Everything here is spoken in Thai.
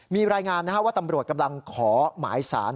มีรายงานว่าตำรวจกำลังขอหมายสาร